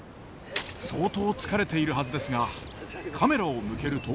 相当疲れているはずですがカメラを向けると。